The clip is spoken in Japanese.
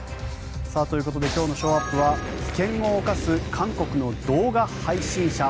今日のショーアップは危険を冒す韓国の動画配信者。